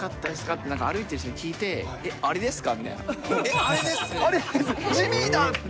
って、歩いてる人に聞いて、えっ、あれですか？